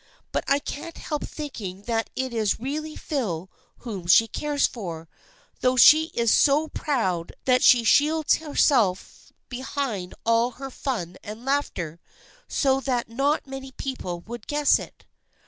But I can't help thinking that it is really Phil whom she cares for, though she is so proud that she shields herself behind all her fun and laughter so that not many people would guess it."